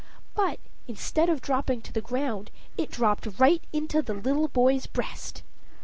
But, instead of dropping to the ground, it dropped right into the little boy's breast.